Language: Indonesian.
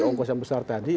hongkos yang besar tadi